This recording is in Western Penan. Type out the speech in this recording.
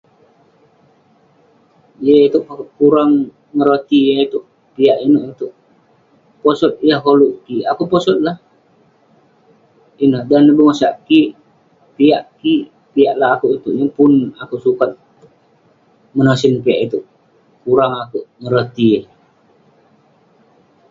yah itouk peh akouk kurang ngeroti, yah itouk..piak inouk itouk..posot yah koluk kik, akouk posot lah, ineh..dan neh bengosak kik, piak kik, piak lak akouk itouk yeng pun akouk sukat menosen piak itouk, kurang akouk ngeroti eh